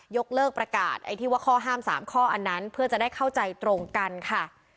ยกเลิกประกาศไอ้ที่ว่าข้อห้าม๓ข้ออันนั้นเพื่อจะได้เข้าใจตรงกันค่ะ